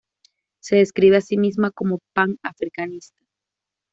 Se describe a sí misma como pan-africanista.